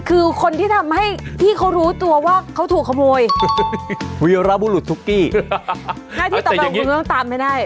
มันคือคนที่ทำให้ที่เขารู้ตัวว่าเขาถูกขโมยฮ้าฮาน่าที่ต่อแบบคุณตามให้ได้